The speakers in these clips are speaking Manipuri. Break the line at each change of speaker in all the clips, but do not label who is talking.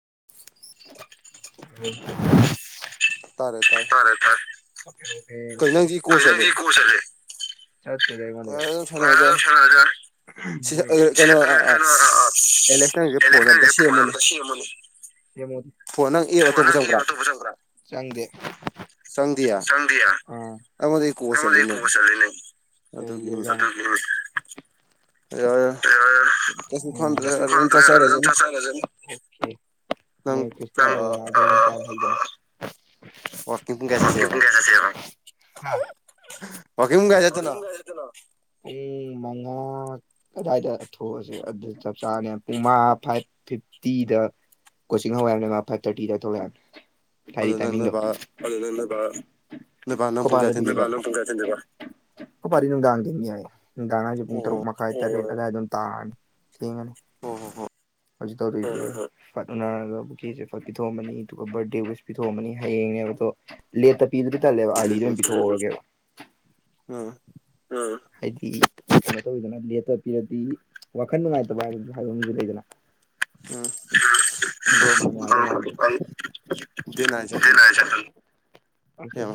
ꯍ
ꯇꯥꯔꯦ
ꯐꯔꯦ ꯐꯔꯦ ꯀꯩꯅ ꯀ ꯀꯣꯁꯦ ꯁ ꯀꯩꯅꯣ ꯑꯦꯂꯛꯇꯁꯨ ꯐꯣꯗꯝ ꯁꯤꯃꯅꯤ ꯅꯪꯪ꯭ꯔ ꯆꯪꯗꯦ ꯁꯟꯗꯌꯥ ꯑꯃꯗ ꯀꯣꯄꯁꯂ ꯅ ꯀꯩ ꯑꯣꯏꯖꯅꯤꯡ
[inaudible]
ꯁ ꯈꯟꯗ ꯊꯁꯖ ꯃꯣꯏ ꯀꯇ ꯀꯗ ꯀ ꯆꯁꯤ ꯎꯝ ꯃꯉ ꯀꯗꯥꯏꯗ ꯊꯣꯛꯑꯁꯦ ꯑꯗꯨ ꯆꯞ ꯆꯥꯅꯦ ꯄꯨꯡꯃꯥ ꯐꯥꯏꯚ ꯐꯤꯐꯇꯤꯗ ꯀꯣꯆꯤꯡ ꯍꯧꯋꯦꯑꯅꯦ ꯃꯥ ꯐꯥꯏꯚ ꯊꯥꯔꯇꯤꯗ ꯍꯥꯏꯗꯤ ꯇꯥꯏ ꯀꯔ ꯀꯄꯔꯤꯅ ꯗꯥꯡꯒ ꯀꯅꯤ ꯍꯥꯏꯌꯦ ꯅꯨꯡꯗꯥꯡꯔꯁꯦ ꯄꯨꯡ ꯇꯔꯨꯛ ꯃꯈꯥꯏ ꯇꯦꯠ ꯑꯗꯨꯗꯥꯏ ꯑꯗꯨꯝ ꯇꯥꯔꯅꯤ ꯊꯦꯡꯉꯅꯤ ꯍꯧꯖꯤꯛ ꯇꯧꯗꯣꯏꯁꯦ ꯐꯠ ꯎꯅꯔꯒ ꯄꯨꯕꯨ꯭ꯦꯁꯦ ꯐꯠ ꯄꯤꯊꯣꯛꯑꯃꯅꯤ ꯑꯗꯨꯒ ꯕꯥꯔꯊꯗꯦ ꯁ ꯄꯤꯊꯣꯛꯑꯃꯅꯤ ꯍꯌꯦꯡꯉꯦꯕ ꯗꯣ ꯂꯦꯠꯇ ꯄꯤꯗꯗꯤ ꯇꯜꯂꯦꯕ ꯑꯥꯂꯤꯗ ꯑꯣꯏꯅ ꯄꯤꯊꯣꯛꯍꯔꯒꯦꯕ
ꯎꯝ
ꯎ ꯍꯥꯏꯗꯤ ꯀꯩꯅꯣ ꯇꯧ ꯑꯣꯏꯗꯅ ꯂꯦꯠꯇ ꯄꯤꯔꯗꯤ ꯋꯥꯈꯟ ꯅꯨꯡꯉꯥꯏꯇꯕ ꯍꯥꯏꯕ ꯍꯥꯏꯕ ꯂꯩꯗꯅ
ꯎꯝ ꯭ꯔꯣ ꯑ ꯗꯅ ꯍꯥꯏ ꯆ ꯑꯗꯨꯅ
ꯑ ꯑꯁꯤ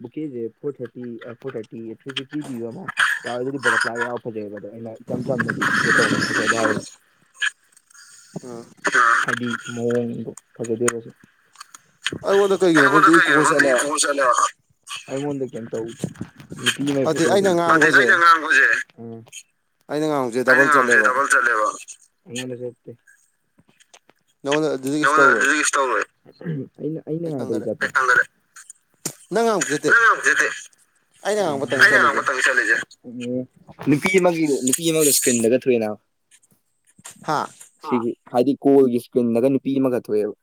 ꯛ ꯛꯦꯖꯦ ꯐꯣꯔ ꯊꯔꯇꯤ ꯐꯣꯔ ꯊꯔꯤ ꯄꯤꯕꯤꯕ ꯑꯃꯔꯗꯤꯛ ꯌꯥ ꯐꯖꯩꯕꯗꯣ ꯑꯩꯅ ꯏꯆꯝ ꯆꯝ ꯍ
[inaudible]
ꯑꯕꯤ ꯃꯑꯣꯣꯡ ꯊꯖꯗꯤꯁꯦ ꯍꯉꯣꯟꯗ ꯊ ꯀꯣꯣ ꯆꯂ ꯑꯩ ꯃ ꯇ ꯑꯩꯅ ꯉꯁꯦ ꯊꯕꯜ ꯆꯠꯂꯦꯕ ꯩꯅ ꯑꯩꯅ ꯃꯥꯔ ꯄꯔꯤ ꯆ
ꯅꯪ ꯉꯥꯎꯖꯗꯦ
ꯁꯂꯦꯖꯦ ꯎ ꯅꯨꯄꯤ ꯑꯃꯒꯤ ꯅꯨꯄꯤ ꯐꯤꯟꯗꯒ ꯊꯨꯏꯅꯥ ꯁꯤꯒꯤ ꯍꯥꯏꯗꯤ ꯀꯣꯜꯒꯤ ꯏꯁꯀ꯭ꯔꯤꯟꯗꯒ ꯅꯨꯄꯤ ꯑꯃꯒ ꯊꯣꯛꯑꯦꯕ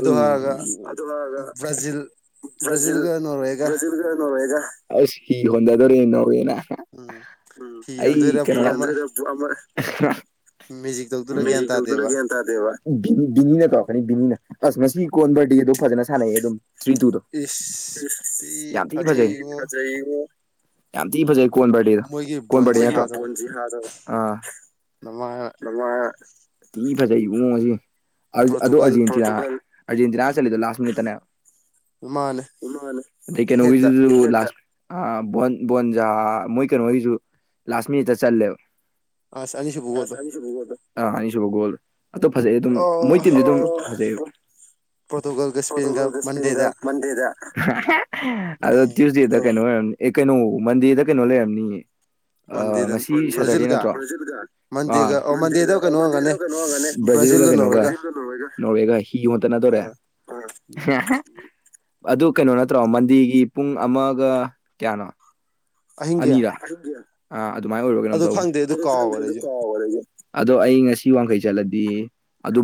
ꯎꯝ ꯑꯗ ꯋꯥꯒ ꯕ꯭ꯔꯥꯖꯤꯜ ꯕ꯭ꯔꯥꯖꯤꯜꯒ ꯅꯣꯋꯦꯒ ꯑꯁ ꯍ ꯍꯣꯟꯖꯗꯔꯤꯦ ꯅꯣꯋꯦꯅ ꯎꯝ ꯑꯩ ꯀꯩꯅꯗꯔꯄ ꯃꯦꯖꯤꯀꯦꯜꯗꯨꯔꯒ ꯑꯦꯟꯦꯕ ꯕꯤꯅꯤ ꯕꯤꯅꯤꯅ ꯀꯧꯔꯛꯀꯅꯤ ꯕꯤꯅꯤꯅ ꯑꯁ ꯉꯁꯤ ꯀꯣꯟ ꯕꯔꯗꯤꯦꯗꯣ ꯐꯖꯅ ꯁꯥꯟꯅꯩ ꯑꯗꯨꯝ ꯊ꯭ꯔꯤ ꯇꯨꯗꯣ ꯌꯥꯝ ꯊꯤ ꯐꯖꯩ ꯐꯩ ꯌꯥꯝ ꯊꯤ ꯐꯖꯩ ꯀꯣꯟꯕꯥꯗꯤꯗ ꯀꯣꯣꯟꯕꯥ ꯐꯖꯩ ꯃꯣꯡꯉꯁꯤ ꯑꯣ ꯑꯦꯟ ꯑꯖꯤꯗꯤꯟ ꯍꯥ ꯆꯂꯗ ꯂꯥꯁ ꯃꯅꯤꯠꯅ ꯀ ꯂꯥꯁ ꯑ ꯕꯣꯟꯖꯥ ꯃꯣꯏ ꯀꯩꯅꯣꯁꯨ ꯂꯥꯁ ꯃꯤꯅꯤꯠꯇ ꯆꯜꯂꯦꯕ
ꯑ ꯁꯅꯤꯁꯤꯕꯨꯒꯣꯗꯨ
ꯑꯥ ꯑꯅꯤꯁꯨꯕ ꯒꯣꯜ ꯑꯇꯣ ꯐꯖꯩ ꯑꯗꯨꯝ ꯃꯣꯏ ꯇꯤꯝꯗꯤ ꯑꯗꯨꯝ ꯐꯣꯇꯒꯗꯁꯄꯤꯗ ꯃꯟꯗꯦꯗ ꯑꯗꯣ ꯇ꯭ꯌꯨꯁꯗꯦꯗ ꯀꯩꯅꯣ ꯑꯣꯏꯔꯅꯤ ꯑꯦ ꯀꯩꯅꯣ ꯃꯟꯗꯦꯗ ꯀꯩꯅꯣ ꯂꯩꯔꯝꯅꯤ ꯉꯁꯤ ꯁꯦꯇꯔꯗꯦ ꯅꯠꯇ꯭ꯔꯣꯗꯦꯗ ꯃꯟꯗꯦꯗ ꯀꯩꯅꯣ ꯍꯪꯒꯅꯤ ꯕꯖꯤꯔꯒ ꯀꯩꯅꯣꯒ ꯅꯣꯦꯒ ꯍꯤ ꯌ ꯍꯣꯟꯟꯇꯅ ꯇꯧꯣꯔꯦ ꯑꯗꯨ ꯀꯩꯅꯣ ꯅꯠꯇ꯭ꯔꯣ ꯃꯟꯗꯦꯒꯤ ꯄꯨꯡ ꯑꯃꯒ ꯀꯌꯥꯅꯣ ꯑꯅꯤꯔ ꯑꯥ ꯑꯗꯨꯃꯥꯏꯅ ꯑꯣꯏꯔꯣ ꯀꯩꯅꯣꯝ ꯇꯧꯕꯅꯦ ꯑꯗꯣ ꯑꯩ ꯉꯁꯤ ꯋꯥꯡꯈꯩ ꯆꯠꯂꯗꯤ ꯑꯗꯨ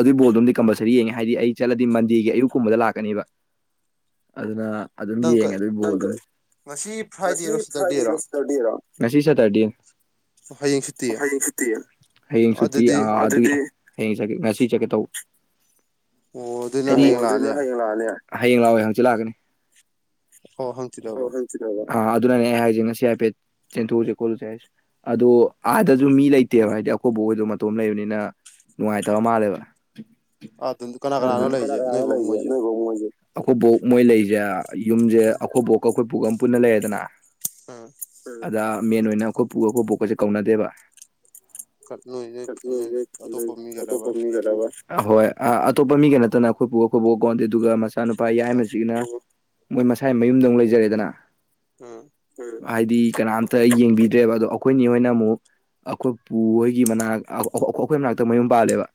ꯑꯗꯨꯕꯣꯜꯗꯝ ꯀꯝꯄꯜꯁꯔꯤ ꯌꯦꯡꯉꯦ ꯍꯥꯏꯗꯤ ꯑꯩ ꯆꯠꯂꯗꯤ ꯃꯟꯗꯦꯒꯤ ꯑꯌꯨꯛꯀꯨꯝꯕꯗ ꯂꯥꯛꯀꯅꯦꯕ ꯑꯗꯨꯅ ꯑꯗꯨꯝ ꯌꯦꯡꯉꯦ ꯑꯗꯨꯏꯣ ꯉꯁꯤꯁ ꯇꯔ ꯍꯌꯦꯡ ꯁꯤ ꯍꯌꯦꯡ ꯁꯇꯤ ꯑ ꯍꯌꯦꯡ ꯆꯠꯀꯦ ꯉꯁꯤ ꯆꯠꯀꯦ ꯇꯧꯕ ꯍꯥꯏꯗꯤ ꯍꯌꯦꯡ ꯂꯥꯛꯑꯅꯦ ꯍꯌꯦꯡ ꯂꯥꯛꯑꯣꯦ ꯍꯪꯆꯤꯠ ꯂꯥꯛꯑꯀꯅꯤ
ꯑꯣ ꯍꯪꯁꯤꯤꯗꯕ
ꯑꯥ ꯑꯗꯨꯅꯅꯦ ꯑꯩ ꯍꯥꯏꯁꯦ ꯉꯁꯤ ꯍꯥꯏꯐꯦꯠ ꯆꯦꯟꯊꯣꯛꯎꯁꯦ ꯈꯣꯠꯂꯨꯁꯦꯁ ꯑꯗꯣ ꯑꯥꯗꯁꯨ ꯃꯤ ꯂꯩꯇꯦꯕ ꯍꯥꯏꯗꯤ ꯑꯈꯣꯏꯕꯨ ꯑꯣꯏꯗꯣ ꯃꯇꯣꯝ ꯂꯩꯕꯅꯤꯅ ꯅꯨꯡꯉꯥꯏꯇꯕ ꯃꯥꯜꯂꯦꯕ ꯈꯅꯥ ꯂꯩꯦ ꯅꯧ ꯑꯩꯈꯣꯏꯕꯣꯛ ꯃꯣꯏ ꯂꯩꯁꯦ ꯌꯨꯝꯁꯦ ꯑꯩꯈꯣꯏꯕꯣꯛ ꯑꯩꯈꯣꯏꯕꯣꯛ ꯑꯃ ꯄꯨꯟꯅ ꯂꯩꯔꯦꯗꯅ ꯑꯗ ꯃꯦꯟ ꯑꯣꯏꯅ ꯑꯩꯈꯣꯏ ꯑꯩꯈꯣꯏ ꯄꯣꯛꯄꯁꯦ ꯀꯧꯅꯗꯦꯕ ꯀꯕ ꯑ ꯑꯇꯣꯞꯄ ꯃꯤꯒ ꯅꯠꯇꯅ ꯑꯩꯈꯣꯏꯕꯨ ꯑꯩꯈꯣꯏꯕꯨ ꯀꯣꯟꯗꯦ ꯑꯗꯨꯒ ꯃꯆꯥꯅ ꯅꯨꯄꯥ ꯌꯥꯏꯕꯁꯤꯒꯤꯅ ꯃꯣꯏ ꯃꯁꯥ ꯃꯌꯨꯝꯗꯧꯨꯛ ꯂꯩꯖꯔꯦꯗꯅ
ꯎꯝ
ꯍꯥꯏꯗꯤ ꯀꯅꯥꯝꯇ ꯌꯦꯡꯕꯤꯗ꯭ꯔꯦꯕ ꯑꯗꯣ ꯑꯩꯈꯣꯏꯅꯤ ꯍꯣꯏꯅ ꯑꯃꯨꯛ ꯑꯩꯈꯣꯏꯄꯨ ꯍꯣꯏꯒꯤ ꯃꯅꯥꯛ ꯑꯩꯈꯣꯏ ꯃꯅꯥꯛꯇ ꯃꯌꯨꯝ ꯄꯥꯜꯂꯦꯕ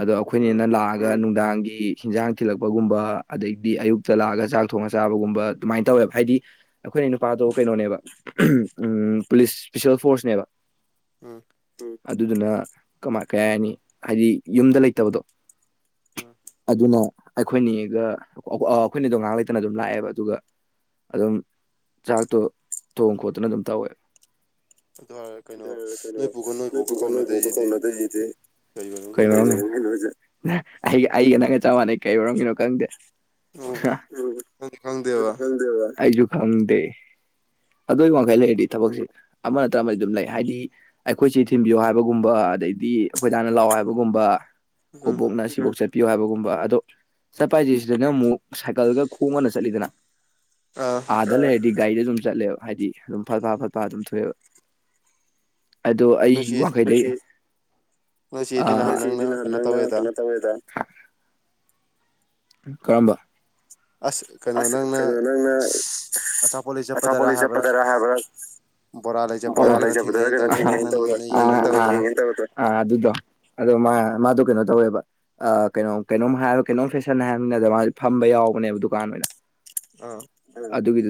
ꯑꯗꯣ ꯑꯩꯈꯣꯏꯅꯦꯅ ꯂꯥꯛꯑꯒ ꯅꯨꯡꯗꯥꯡꯒꯤ ꯍꯤꯟꯖꯥꯡ ꯊꯤꯜꯂꯛꯄꯒꯨꯝꯕ ꯑꯗꯩꯗꯤ ꯑꯌꯨꯛꯇ ꯂꯥꯛꯑꯒ ꯆꯥꯛ ꯊꯣꯡꯉ ꯆꯥꯕꯒꯨꯝꯕ ꯑꯗꯨꯃꯥꯏꯅ ꯇꯧꯋꯦꯕ ꯍꯥꯏꯗꯤ ꯑꯩꯈꯣꯏꯅ ꯅꯨꯄꯥꯗꯣ ꯀꯩꯅꯣꯅꯦꯕ ꯎ ꯄꯨꯂꯤꯁ ꯏꯁꯄꯤꯁꯦꯜ ꯐꯣꯔꯁꯅꯦꯕ
ꯎꯝ
ꯑꯗꯨꯗꯨꯅ ꯀꯃꯥꯏ ꯀꯩ ꯍꯥꯏꯅꯤ ꯍꯥꯏꯗꯤ ꯌꯨꯝꯗ ꯂꯩꯇꯕꯗꯣ ꯑꯗꯨꯅ ꯑꯩꯈꯣꯏꯅꯤꯒ ꯑꯩꯈꯣꯏꯅꯤꯗꯣ ꯉꯥꯏꯍꯥꯛ ꯂꯩꯇꯅ ꯑꯗꯨꯝ ꯂꯥꯛꯑꯦꯕ ꯑꯗꯨꯒ ꯑꯗꯨꯝ ꯆꯥꯛꯇꯣ ꯊꯣꯡ ꯈꯣꯠꯇꯨꯅ ꯑꯗꯨꯝ ꯇꯧꯋꯦ ꯗ ꯀꯩꯅꯣ ꯅꯣꯏ ꯄꯨꯈ ꯅꯣꯏ ꯄꯨꯣꯛꯒ ꯀꯧꯅꯗꯔꯤꯗꯤꯦ ꯀꯩ ꯃꯔꯒꯤꯅ ꯑꯩ ꯑꯩꯒ ꯅꯪꯒ ꯆꯞ ꯃꯥꯟꯅꯩ ꯀꯩ ꯃꯔꯝꯒꯤꯅꯣ ꯈꯪꯗꯦ ꯑꯁꯨꯨ ꯈꯥꯎꯗꯦ ꯑꯗꯨꯒꯤ ꯋꯥꯡꯈꯩ ꯂꯩ ꯍꯥꯏꯗꯤ ꯊꯕꯛꯁꯦ ꯑꯃ ꯅꯠꯇ꯭ꯔ ꯑꯃꯗꯤ ꯑꯗꯨꯝ ꯂꯩ ꯍꯥꯏꯗꯤ ꯑꯩꯈꯣꯏꯁꯤ ꯊꯤꯟꯕꯤꯌꯣ ꯍꯥꯏꯕꯒꯨꯝꯕ ꯑꯗꯩꯗꯤ ꯑꯩꯈꯣꯏꯗꯥꯅ ꯂꯥꯛꯑꯣ ꯍꯥꯏꯕꯒꯨꯝꯕ ꯍꯕꯣꯛꯅ ꯁꯤꯕꯣꯛ ꯆꯠ ꯄꯤꯌꯣ ꯍꯥꯏꯕꯒꯨꯝꯕ ꯑꯗꯣ ꯆꯠꯄ ꯍꯥꯏꯁꯦ ꯁꯤꯗꯅꯦ ꯑꯃꯨꯛ ꯁꯥꯏꯀꯜꯒ ꯈꯣꯡꯉꯅ ꯆꯠꯂꯤꯗꯅ ꯑꯂ ꯒꯥꯔꯤꯗ ꯑꯗꯨꯝ ꯆꯠꯂꯦꯕ ꯍꯥꯏꯗꯤ ꯑꯗꯨꯝ ꯐꯠ ꯐ ꯐꯠ ꯐ ꯑꯗꯨꯝ ꯊꯣꯛꯑꯦꯕ ꯑꯗꯣ ꯑꯩ ꯋꯥꯈꯩꯗ ꯁꯤꯗꯤ ꯅꯍꯥꯟ ꯅꯪꯅ ꯀꯩꯅꯣ ꯇꯧꯋꯦꯗ ꯀꯔꯝꯕ ꯑꯁ ꯀꯩꯅꯣ ꯅꯪꯅ ꯑꯆꯥ ꯄꯣꯂꯤꯁ ꯆ ꯄꯊꯔ ꯍꯥꯏꯕ ꯕꯣꯔꯥ ꯂꯩ ꯆꯇꯄꯗꯔꯥ ꯀꯩꯅ ꯊꯦꯪꯅꯩꯌꯦ ꯇꯦꯕꯗꯣ [inaudible] ꯑꯗꯨꯗ ꯃꯥ ꯃꯥꯗꯣ ꯀꯩꯅꯣ ꯇꯧꯋꯦꯕ ꯀꯩꯅꯣ ꯀꯩꯅꯣꯝ ꯍꯥꯏ ꯀꯩꯅꯣꯝ ꯐꯦꯁꯟ ꯍꯥꯏꯔꯕꯅꯤꯅꯗ ꯃꯥꯁ ꯐꯝꯕ ꯌꯥꯎꯕꯅꯦꯕ ꯗꯨꯀꯥꯟ ꯑꯣꯏꯅ
ꯑꯥ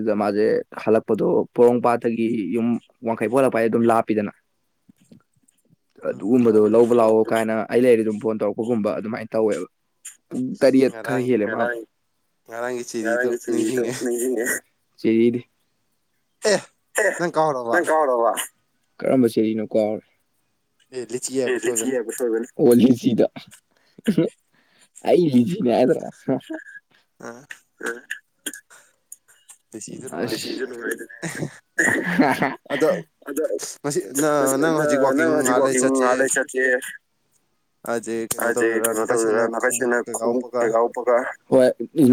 ꯑꯗꯨꯗ ꯃꯥꯁꯦ ꯍꯜꯂꯛꯄꯗꯣ ꯄꯣꯔꯣꯡ ꯄꯥꯠꯇꯒꯤ ꯌꯨꯝ ꯋꯥꯡꯈꯩ ꯄꯣꯛꯂꯛꯄ ꯑꯗꯨꯝ ꯂꯥꯞꯄꯤꯗꯅ ꯑꯗꯨꯒꯨꯝꯕꯗꯣ ꯂꯧꯕ ꯂꯥꯛꯑꯣ ꯀꯥꯏꯅ ꯑꯩ ꯂꯩꯔꯤ ꯑꯗꯨꯝ ꯐꯣꯟ ꯇꯧꯔꯛꯄꯒꯨꯝꯕ ꯑꯗꯨꯃꯥꯏꯅ ꯇꯧꯋꯦꯕ ꯔꯤ ꯀ [unintelligible] [inaudible] ꯁꯤꯗꯤ ꯅꯪ ꯀ ꯋꯥ ꯀꯔꯝꯕ ꯆꯦꯔꯤꯅꯣ ꯀꯣꯔꯒ ꯑꯣ ꯁꯤꯗ ꯑꯩ ꯂꯤ ꯏ ꯍꯥꯏꯗ꯭ꯔꯥ ꯁꯤꯖ ꯑꯣꯏꯗꯅ ꯑ ꯅꯪ ꯍꯧꯖꯤꯛ ꯋꯥꯋꯥꯛꯀꯤꯡ ꯉ ꯂꯩ ꯆꯠꯀꯦ [unintelligible] [inaudible] ꯑꯦ ꯊꯅ ꯅꯥꯀꯥꯏꯁꯤꯅ ꯈ ꯊꯒꯥ ꯄ ꯍ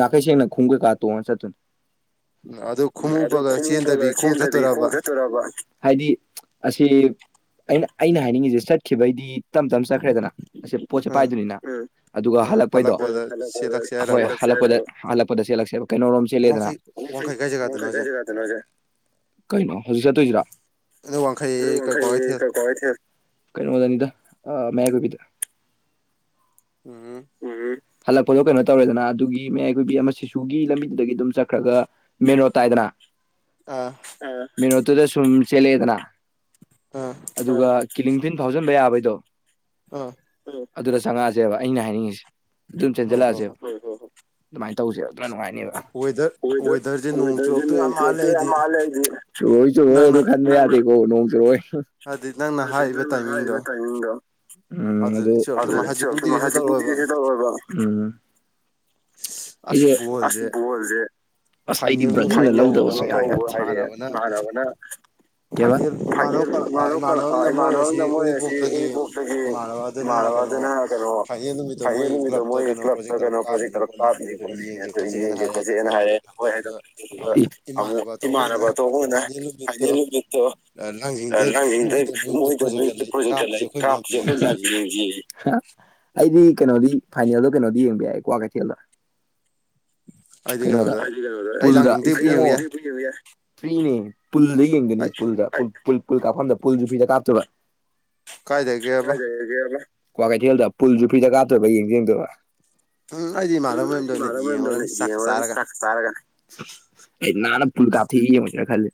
ꯅꯥꯀꯥꯏꯁꯤꯅ ꯈꯨꯡꯒꯦ ꯀꯥ ꯇꯨ ꯋꯥ ꯆꯦ ꯑꯗꯨꯅ ꯎ ꯑꯗꯨ ꯈꯣꯡꯎꯞꯄꯒ ꯆꯦꯟꯗꯕꯤ ꯈꯣꯡ ꯆꯠꯇꯣꯏꯣꯔꯔꯕ ꯍꯥꯏꯗꯤ ꯑꯁꯤ ꯑꯩꯅ ꯑꯩꯅ ꯍꯥꯏꯅꯤꯡꯉꯤꯁꯦ ꯆꯠꯈꯤꯕꯩꯗꯤ ꯇꯝ ꯇꯞꯅ ꯆꯠꯈ꯭ꯔꯦꯗꯅ ꯑ ꯄꯣꯠꯁꯦ ꯄꯥꯏꯗꯅꯤꯅ ꯑꯗꯨꯒ ꯍꯜꯂꯛꯄꯩꯗꯣ ꯗ ꯍꯂꯄꯗ ꯁꯂꯁꯦꯕ ꯀꯩꯅꯣꯝ ꯁꯤꯦꯂꯦꯗ꯭ꯔꯥ ꯀꯩꯣꯁꯦ ꯀꯩꯅꯣ ꯍꯧꯖꯤꯛ ꯆꯠꯇꯣꯏꯁꯤꯔꯥ ꯑꯗꯨ ꯋꯥꯡꯈꯩ ꯀ ꯀꯋꯥ ꯀꯩꯅꯗ ꯑ ꯃꯦꯘꯣꯕꯤꯗ
ꯎꯝ
ꯍꯜꯂꯛꯄꯗꯣ ꯀꯩꯅꯣ ꯇꯧꯔꯦꯗꯅ ꯑꯗꯨꯒꯤ ꯃꯌꯥꯏꯈꯣꯏꯕꯤ ꯑꯃ ꯁꯤꯁꯨꯒꯤ ꯂꯝꯕꯤꯗꯨꯗꯒꯤ ꯑꯗꯨꯝ ꯆꯠꯈ꯭ꯔꯒ ꯃꯦꯟ ꯔꯣꯗ ꯇꯥꯏꯗꯅ ꯃꯤꯅꯣꯠꯇꯨꯗ ꯁꯨꯝ ꯆꯦꯜꯂꯛꯑꯦꯗꯅ ꯑꯗꯨꯒ ꯀꯤꯂꯤꯡꯐꯤꯟ ꯐꯥꯎꯖꯟꯕ ꯌꯥꯕꯩꯗꯣ
ꯑꯥ [unintelligible] [inaudible]
ꯑꯗꯨꯗ ꯆꯪꯉꯛꯑꯁꯦꯕ ꯑꯩꯅ ꯍꯥꯏꯅꯤꯡꯉꯤꯁꯦ ꯑꯗꯨ ꯑꯗꯨꯝ ꯆꯦꯟꯖꯜꯂꯛꯑꯁꯦꯕ ꯑꯗꯨꯃꯥꯏꯅ ꯇꯧꯁꯦꯕ ꯑꯗꯨꯅ ꯅꯨꯡꯉꯥꯏ ꯋꯗꯔꯁꯦ ꯅꯣꯡ ꯆꯇꯣꯏ ꯌꯥꯝ ꯃꯥꯜꯂꯦ ꯍꯥꯏꯣꯏꯣꯏꯟ ꯌꯥ ꯑꯣ ꯅꯣꯡꯖꯔꯣꯏ ꯑꯗꯨꯗꯤ ꯅꯪꯅ ꯍꯥꯏꯔꯤꯕ ꯇꯥꯏꯃꯤꯡꯗꯣ ꯎꯝ ꯑꯗꯨ ꯑꯗꯨ ꯀꯗꯤꯁꯤ ꯇꯧꯔꯣꯏꯕ ꯎ ꯑꯩꯁꯦ ꯑꯁ ꯕꯣꯜꯁꯦ ꯑꯁ ꯑꯩꯗꯤ ꯕ꯭ꯔ ꯂꯧꯗꯕꯁꯨ ꯍꯥꯏ ꯏꯃꯥꯟꯅꯕꯅ ꯃꯥꯟ ꯏꯃꯥꯟꯅꯕꯅ ꯃꯣꯏ ꯑꯁꯤ ꯎꯔꯤꯄꯣꯛꯇꯒꯤ ꯃꯥꯕ ꯑꯗꯨꯅ ꯍꯥꯏ ꯀꯦꯣ ꯐꯌꯦ ꯅꯨꯃꯤꯣ ꯃꯣꯏ ꯀ꯭ꯂꯞ ꯊꯒꯅ ꯄꯣ ꯇꯔ ꯇꯥꯣ ꯌꯦꯡꯦ ꯍꯥꯏꯌꯦ ꯍꯣꯏ ꯍꯥꯏꯗꯣ ꯑꯗꯨꯒ ꯑꯃꯨꯛ ꯏꯃꯥꯟꯅꯕ ꯑꯇꯣ ꯑꯩꯉꯗ ꯍꯥꯏꯗꯤ ꯑꯣ ꯂꯥꯡꯖꯤꯡꯗ ꯃꯣꯏꯗ ꯃ ꯄ꯭ꯔꯣꯖꯦꯛꯇ ꯂꯩ ꯀꯥꯞꯄꯁꯦ ꯑꯩꯈꯣꯏ ꯂꯥꯡꯁꯤ ꯑꯩꯗꯤ ꯀꯩꯅꯣꯗꯤ ꯐꯥꯏꯅꯦꯜꯗꯣ ꯀꯩꯅꯣꯗꯤ ꯌꯦꯡꯕ ꯌꯥꯏ ꯀ꯭ꯋꯥ ꯀꯩꯊꯦꯜꯗ ꯀꯩꯅꯣ ꯄꯨ ꯐꯔꯤꯅꯦ ꯄꯨꯜꯗ ꯌꯦꯡꯒꯅꯤ ꯀꯥꯞꯐꯝꯗ ꯐꯗ ꯀꯥꯞꯇꯕ ꯀ ꯀꯩꯊꯦꯜꯗ ꯄꯨꯜꯁꯨ ꯐꯤꯖ ꯀꯥꯇꯣꯏꯕ ꯌꯦꯡ ꯌꯦꯡꯗꯣꯏꯕ
[unintelligible] [inaudible]
ꯑꯩ ꯏꯃꯥꯟꯕꯩ ꯌꯨꯝꯗ ꯌꯦꯡ ꯉꯨꯔꯥꯅꯤ ꯆꯥꯛ ꯆꯥꯔꯒꯥ ꯐꯨꯜ ꯀꯥ ꯊꯤꯒꯤ ꯌꯦꯡꯎꯁꯤꯔꯥ ꯈꯜꯂꯤ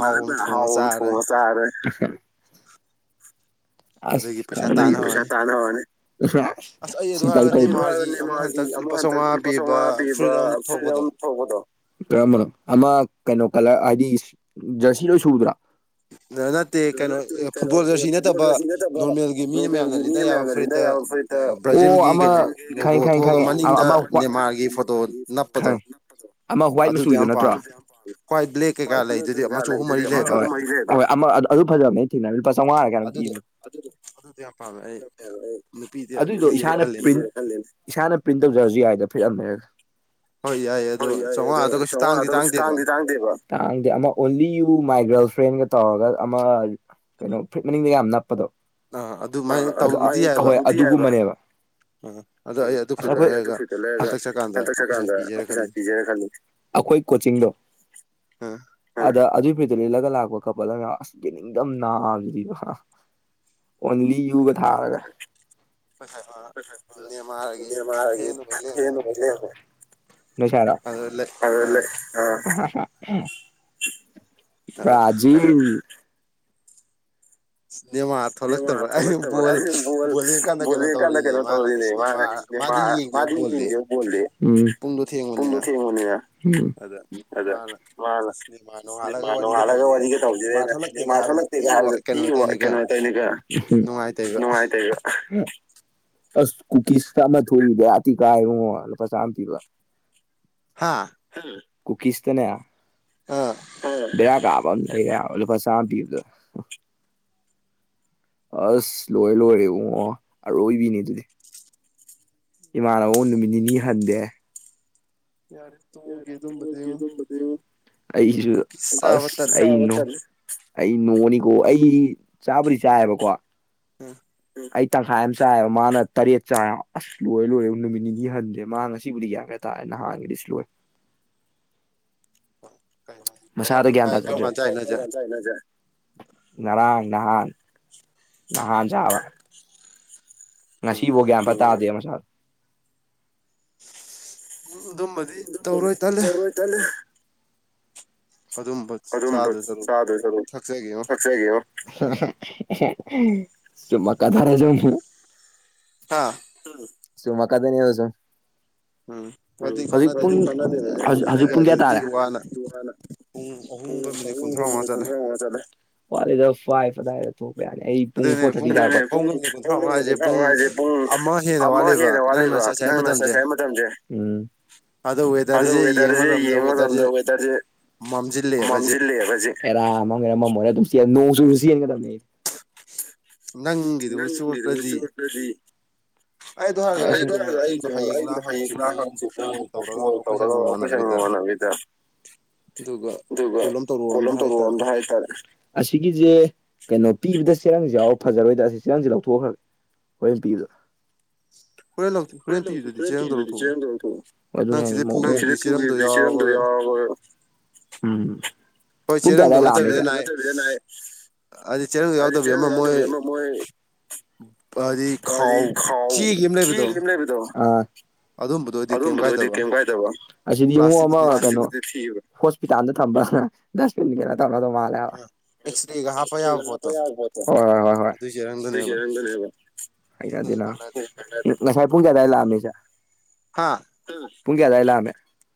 ꯅꯥꯟꯅ ꯑꯥꯍꯥꯎꯕ ꯑꯃ ꯊꯣꯡ ꯉ ꯆꯔꯦ ꯑꯁ ꯀꯥꯏꯗꯩ ꯄꯩꯁꯥ ꯇꯥꯟ ꯍꯧꯔꯅꯤ ꯏꯁꯔꯥꯁ ꯁꯤ ꯇꯧꯄꯔꯥ ꯍꯥꯏꯕꯅꯦ ꯃꯗꯤ ꯑꯃ ꯍꯟꯗꯛ ꯂꯨꯄꯥ ꯆꯧꯉꯥ ꯄꯤꯕ ꯐꯔꯤꯗꯝ ꯊꯧꯕꯗꯣ ꯀꯔꯝꯕꯅꯣ ꯑꯃ ꯀꯩꯅꯣ ꯀꯂꯔ ꯍꯥꯏꯗꯤ ꯖꯔꯁꯤ ꯂꯣꯏ ꯁꯨꯕꯗꯨꯔꯥ ꯑꯗꯨ ꯅꯠ ꯇꯨꯔꯦ ꯇꯅꯣ ꯐꯨꯠꯕꯣꯜ ꯖꯔꯁꯤ ꯅꯠꯇꯕ ꯅꯣꯔꯃꯦꯜꯒꯤ ꯃꯤꯅ ꯃꯌꯥꯝ ꯔꯤꯟꯗꯔ ꯌꯥꯎꯕ ꯐꯨꯔꯤꯠꯇ ꯑꯣ ꯑꯃ ꯈꯉꯦ ꯈꯪꯉꯦ ꯈꯪꯉꯦ ꯑ ꯑꯃ ꯈꯔꯡ ꯑꯃꯥ ꯋꯥꯏꯠ ꯃꯆꯨꯒꯤꯗꯣ ꯅꯠꯇ꯭ꯔꯣ ꯍꯣꯏ ꯕꯂꯦꯛ ꯀꯩꯀ ꯂꯩꯗꯗꯤ ꯃꯆꯨꯃꯩꯖ‌ꯦ ꯍꯣꯏ ꯑꯃ ꯑꯗ ꯑꯗꯨ ꯐꯖꯕꯅꯦ ꯇꯤꯅ ꯂꯨꯄꯥ ꯆꯩꯉꯥꯔ ꯀꯌꯥꯅꯣ ꯑꯝ ꯄꯤꯕꯅꯤ
ꯑꯗꯨꯗꯤ ꯌꯥꯝ ꯄꯥꯃꯦ ꯑꯩ
ꯑꯗꯨꯏꯗꯣ ꯏꯁꯥꯅ ꯄ꯭ꯔꯤꯟ ꯏꯁꯥꯅ ꯄꯔꯤꯟ ꯇꯧꯖꯔꯁꯖꯨ ꯌꯥꯏꯗ ꯐꯤꯠ ꯌꯥꯝꯃꯦ
ꯍꯣꯏ ꯌꯥ
ꯍꯣꯏ ꯌꯥꯏ ꯑꯗꯣ ꯆꯧꯉꯥꯗꯣ ꯀꯩꯁꯨ ꯇꯥꯡꯗꯤ ꯇꯥꯡꯗꯦꯕ ꯑꯃ ꯑꯣꯜꯂꯤ ꯌꯨ ꯃꯥꯏ ꯒ꯭ꯔꯜ ꯐ꯭ꯔꯦꯟꯒ ꯇꯧꯔꯒ ꯑꯃ ꯀꯩꯅꯣ ꯐꯨꯔꯤꯠ ꯃꯅꯤꯡꯗ ꯌꯥꯝ ꯅꯞꯄꯗꯣ ꯑ ꯑꯗꯨꯄꯥꯏ ꯇꯧꯏ ꯑꯣꯏ ꯑꯗꯨꯒꯨꯝꯕꯅꯦꯕ ꯎꯝ ꯑꯁ ꯑꯈꯣꯏ ꯑꯗꯨ ꯐꯨꯔꯤꯠꯇꯨ ꯂꯩꯔꯒ ꯑꯁ ꯍꯟꯇꯛ ꯆꯠꯀꯥꯟꯗ ꯑꯈꯣꯏ ꯁꯥꯏ ꯄꯤꯖꯦꯔ ꯈꯜꯂꯤ ꯑꯈꯣꯏ ꯀꯣꯆꯤꯡꯗꯣ ꯑꯗ ꯑꯗꯨ ꯑꯗꯨꯏ ꯐꯨꯔꯤꯠꯇꯣ ꯂꯤꯠꯂꯒ ꯂꯥꯛꯄ ꯀꯄꯜ ꯑꯃ ꯌꯥꯎ ꯑꯁꯁ ꯌꯦꯡꯉꯝ ꯅꯥꯕꯖꯤꯗꯤꯕ ꯑꯣꯟꯂꯤ ꯌꯨꯒ ꯊꯥꯔꯒ ꯅꯦꯔꯃꯥꯔꯒꯤ ꯑꯦꯟꯗꯣꯒꯛ ꯂꯩꯍꯧꯔꯦ ꯅꯣꯏ ꯁꯥꯏꯔꯣ ꯑꯗꯂꯩ ꯑ ꯍ ꯍ ꯕ꯭ꯔꯥꯖꯤꯜ
ꯅꯦꯃꯥꯔ ꯊꯣꯛꯂꯛꯇꯕ꯭ꯔꯥ ꯑꯩꯅ ꯕꯣꯜ ꯕꯣꯜ ꯂꯦꯡꯀꯥꯟꯗ ꯀꯩꯅꯣ ꯇꯧꯔꯤꯅꯦ ꯃꯥꯅ ꯏꯁꯦꯅꯦ ꯃꯥꯔ ꯃꯥꯗꯤ ꯑꯩ ꯌꯦꯡꯗꯦꯕ ꯕꯣꯜꯗꯤ ꯄꯨꯡꯗꯣ ꯊꯦꯡꯉꯝꯅꯤꯅ ꯑꯗ ꯃꯥꯅ ꯁꯤꯅꯤꯃꯥ ꯅꯣꯡꯉꯍꯜꯂꯒ ꯋꯥꯔꯤꯒ ꯇꯧꯕꯖꯤꯗ ꯑꯩꯅ ꯅꯦꯔꯄꯥꯜ ꯊꯣꯛꯂꯛꯇꯦꯒ ꯍꯥꯏꯕ ꯇꯤꯋꯥꯛ ꯀꯅꯣ ꯇꯧꯅꯤ ꯀ
ꯇꯩꯅꯤꯀ ꯍꯝ ꯅꯨꯡꯉꯥꯏꯇꯩꯕ ꯑꯁ ꯀꯨꯀꯤꯁ ꯁꯤꯗ ꯑꯃ ꯊꯣꯛꯏ ꯕ‌ꯦꯔꯥ ꯊꯤ ꯀꯥꯏꯉꯣ ꯂꯨꯄꯥ ꯆꯥꯝꯃ ꯄꯤꯕ
ꯍꯥꯥ
ꯀꯨꯀꯤꯖꯇꯅꯦ ꯑꯥ ꯕꯦꯔꯥ ꯀꯥꯞ ꯕ ꯑꯝ ꯂꯩꯔꯦ ꯍꯥꯏꯕ ꯂꯨꯄꯥ ꯆꯥꯝ ꯄꯤꯕꯗ ꯑꯁ ꯂꯣꯏꯔ‌ꯦ ꯂꯣꯏꯔꯦ ꯎꯨꯡꯉꯣ ꯑꯔꯣꯏꯕꯤꯅꯤ ꯑꯗꯨꯗꯤ ꯏꯃꯥꯟꯅꯕꯨ ꯅꯨꯃꯤꯠ ꯅꯤꯅꯤ ꯍꯟꯗꯦ ꯌꯥꯔ ꯇꯨꯃꯒꯦ ꯑꯗꯨꯝꯕꯗꯤꯑꯣ ꯑꯩꯖꯨ ꯑꯁ ꯑꯩ ꯅꯣꯛ ꯑꯩ ꯅꯣꯛꯑꯅꯤꯀꯣ ꯑꯩ ꯆꯥꯕꯨꯗꯤ ꯆꯥꯏꯌꯦꯕꯀꯣ ꯑꯩ ꯇꯪꯈꯥꯏ ꯑꯃ ꯆꯥꯏꯌꯦꯕ ꯃꯥꯅ ꯇꯔꯦꯠ ꯆꯥꯏ ꯍꯥꯏꯕ ꯑꯁ ꯂꯣꯏꯔ ꯂꯣꯏꯔꯦ ꯅꯨꯃꯤꯠ ꯅꯤꯅꯤ ꯍꯟꯗꯦ ꯃꯥ ꯉꯁꯤꯕꯨꯗꯤ ꯌꯥ ꯈꯥꯇ ꯇ ꯅꯍꯥꯟꯒꯤꯗꯤ ꯏꯁ ꯂꯣꯏ
[inaudible]
ꯃꯁꯥꯗꯥ ꯒꯌꯥꯟ ꯇꯥꯖꯗ꯭ꯔꯦ ꯉꯔꯥꯡ ꯅꯍꯥꯟ ꯅꯍꯥꯟ ꯆꯥꯕ ꯉꯁꯤꯕꯧ ꯒꯌꯥꯟꯄꯥ ꯇꯥꯗꯦ ꯃꯁꯥ
ꯑꯗꯨꯝꯕꯗꯤ ꯇꯧꯔꯣꯏ ꯇꯜꯂꯤ
ꯑꯗꯨꯝꯕ ꯆꯥꯗꯣꯏꯁꯔꯨꯛ ꯊꯛꯆꯒ‌ꯦꯉ‌ꯣ ꯆꯨꯃꯀꯥ ꯊꯔꯦꯖꯤꯌꯨ
ꯍꯥ
ꯆꯨꯃꯥꯟꯀꯥꯟꯗꯅꯤ [unintelligible] ꯍꯧꯖꯤꯛ ꯄꯨꯡ ꯍꯧꯖ ꯍꯧꯖꯤꯛ ꯄꯨꯡ ꯀꯌꯥ ꯇꯥꯔꯦ ꯄꯨꯡ ꯑꯍꯨꯝꯒ ꯃꯤꯅꯤꯠ ꯀꯨꯟꯊ꯭ꯔꯥꯎꯉꯥ ꯆꯠꯂ‌ꯦ ꯋꯥꯠꯂꯤꯗ ꯐꯥꯏꯐ ꯑꯗꯋꯥꯏꯗ ꯑꯩ ꯄꯨꯡ ꯐꯣꯔ ꯊꯥꯔꯇꯤ ꯇꯥꯔꯦ ꯄꯨꯡ ꯄꯨꯡꯗ ꯃꯤꯅꯤꯠ ꯀꯨꯟꯊꯔꯥꯎ ꯃꯉꯥꯖꯦ ꯄꯨꯡ ꯑꯃ ꯁꯤꯗ ꯋꯥꯠꯂꯤꯕ ꯅꯪꯅ ꯆꯠꯁꯦ ꯍꯥꯏ ꯃꯇꯝꯁꯦ ꯑꯝ ꯑꯗꯣ ꯋꯦꯗꯔꯖꯦ ꯌꯦꯡꯕ ꯃꯇꯝꯗ ꯋꯦꯗꯔꯖꯦ ꯃꯝꯁꯤꯜꯂꯦ ꯕꯥ ꯍꯧꯖꯤꯛ [unintelligible] ꯅꯣꯡ ꯆꯨꯔꯥꯖꯨ ꯆꯦꯟꯒꯗꯝꯅꯤ ꯑꯩ ꯅꯪꯒꯤꯗꯨꯕꯨ [unintelligible] [unintelligible] ꯑꯩ ꯍꯌꯦꯡ ꯂ ꯍꯥꯡꯆꯤꯠꯂꯥ ꯐꯣꯟ ꯇꯧꯔꯒꯥ ꯑꯈꯣꯏ ꯁꯥꯏ ꯃꯃꯥꯟꯅꯕ [unintelligible]
[inaudible]
ꯑꯗꯨꯒ ꯀꯣꯜ ꯑꯝ ꯇꯧꯔꯟꯕ ꯍꯥꯏꯇꯥꯔꯦ ꯑꯁꯤꯒꯤꯁꯦ ꯀꯩꯅꯣ ꯄꯤꯕꯗ ꯆꯦꯔꯪꯁꯤ ꯌꯥꯎꯔ ꯐꯖꯔꯣꯏꯗꯥ ꯁꯤ ꯆꯦꯔꯪꯁꯦ ꯂꯧꯊꯣꯛꯈ꯭ꯔꯕꯦ ꯍꯣꯔꯦꯟ ꯄꯤꯕꯗ
[inaudible]
ꯍꯣꯔꯦꯟ ꯂꯧꯊꯣꯛ ꯍꯣꯔꯦꯟ ꯄꯤꯕꯗꯤ ꯆꯦꯔꯪꯗꯣ ꯂꯧꯊꯣꯛꯎꯁꯤꯗ ꯄꯨꯈꯤꯕ ꯆꯦꯔꯪ ꯗꯣ ꯌꯥꯎ [unintelligible]
[inaudible]
ꯎꯝ ꯄꯨꯡ ꯀꯌꯥ ꯑꯗꯥꯏ ꯂꯛꯑꯃꯝ ꯃꯤꯅꯣ ꯍꯥꯏꯁꯦ ꯑꯗꯤ ꯆꯦꯔꯪ ꯗꯤ ꯌꯥꯎꯗꯕꯤ ꯑꯃ ꯃꯣꯏ [unintelligible] ꯈꯥꯎ ꯆꯦꯒꯤ ꯑꯃ ꯂꯩꯕꯗꯣ ꯑꯗꯨꯝꯕꯗꯣ ꯑꯣꯏꯗꯤ ꯀꯥꯏꯗꯕ ꯑꯁꯤꯗꯤ ꯏꯕꯨꯡ ꯑꯃ ꯀꯩꯅꯣ ꯍꯣꯁꯄꯤꯇꯥꯜꯗ ꯊꯝꯕꯅ [unintelligible] ꯇꯞꯅ ꯑꯗꯨꯧ ꯃꯥꯜꯂꯦ ꯍꯥꯏꯕ ꯍꯣꯏ ꯍꯣꯏ ꯍꯣꯏ ꯍꯣꯏ ꯑꯗꯨꯏ ꯆꯦ ꯔꯪ ꯗꯨꯅꯦꯕꯥ
[inaudible]
ꯌꯥꯗꯦ ꯅꯕꯥ ꯉꯥꯁꯥꯢ ꯄꯨꯡ ꯀꯌꯥ ꯑꯗꯥꯏ ꯂꯥꯑꯃꯤ ꯍꯥꯢꯁꯦ
ꯍꯥꯥ
ꯄꯨꯨꯡ ꯀꯌꯥ ꯑꯗꯥꯏ ꯂꯥꯑꯃꯃꯤ